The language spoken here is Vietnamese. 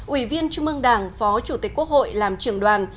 ủy viên chung mương đảng phó chủ tịch quốc hội làm trưởng đoàn